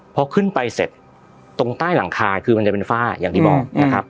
พอขึ้นไปเสร็จตรงใต้หลังคาคือมันจะเป็นฝ้าอย่างที่บอกนะครับ